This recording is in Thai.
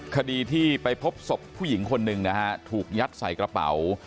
คดีที่ไปพบศพผู้หญิงคนหนึ่งนะฮะถูกยัดใส่กระเป๋า